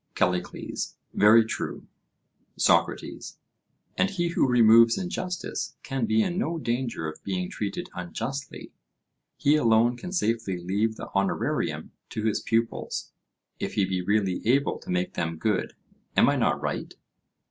CALLICLES: Very true. SOCRATES: And he who removes injustice can be in no danger of being treated unjustly: he alone can safely leave the honorarium to his pupils, if he be really able to make them good—am I not right?